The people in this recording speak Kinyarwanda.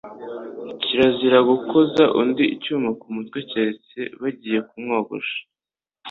Kirazira gukoza undi icyuma mu mutwe, kereka bagiye kumwogosha,